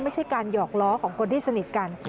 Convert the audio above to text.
ไม่ใช่การหยอกล้อของคนที่สนิทกัน